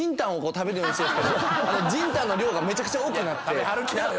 仁丹の量がめちゃくちゃ多くなって。